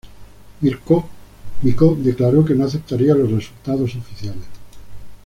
Micó declaró que no aceptaría los resultados oficiales.